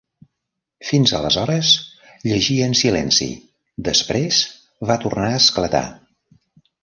Fins aleshores, llegia en silenci; després va tornar a esclatar.